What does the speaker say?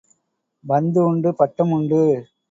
பந்து உண்டு, பட்டம் உண்டு.